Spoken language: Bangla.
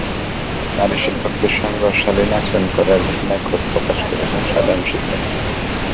নারী শিক্ষকদের সঙ্গে অশালীন আচরণ করার ঘটনায় ক্ষোভ প্রকাশ করেছেন সাধারণ শিক্ষার্থীরা।